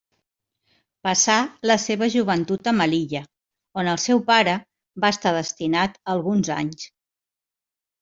Passà la seva joventut a Melilla, on el seu pare va estar destinat alguns anys.